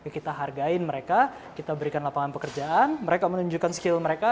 kita hargai mereka kita berikan lapangan pekerjaan mereka menunjukkan skill mereka